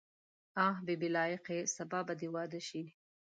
آ بي بي لایقې سبا به دې واده شي.